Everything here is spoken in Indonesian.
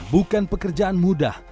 bukan pekerjaan mudah